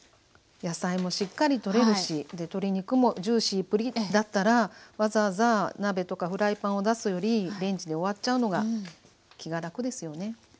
野菜もしっかりとれるし鶏肉もジューシープリッだったらわざわざ鍋とかフライパンを出すよりレンジで終わっちゃうのが気が楽ですよね？